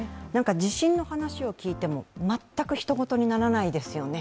地震の話を聞いても、全くひと事にならないですよね。